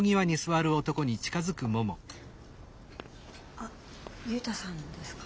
あ雄太さんですか？